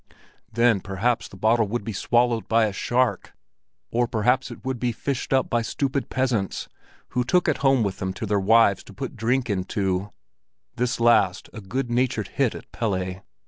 Then perhaps the bottle would be swallowed by a shark, or perhaps it would be fished up by stupid peasants who took it home with them to their wives to put drink into—this last a good natured hit at Pelle.